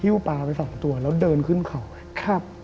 ปลาไปสองตัวแล้วเดินขึ้นเขาครับ